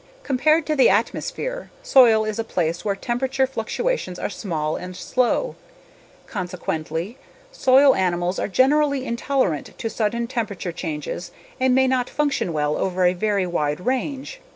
Compared to the atmosphere, soil is a place where temperature fluctuations are small and slow. Consequently, soil animals are generally intolerant to sudden temperature changes and may not function well over a very wide range.